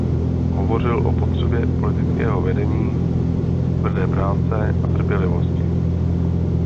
Hovořil o potřebě politického vedení, tvrdé práce a trpělivosti.